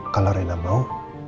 kalau rena mau